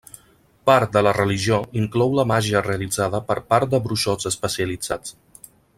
Part de la religió inclou la màgia realitzada per part de bruixots especialitzats.